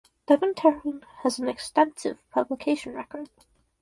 Devin Terhune has an extensive publication record.